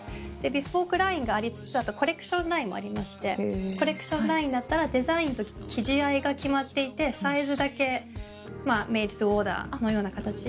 ビスポークラインがありつつあとコレクションラインもありましてコレクションラインだったらデザインと生地合いが決まっていてサイズだけまぁメイドトゥオーダーのような形。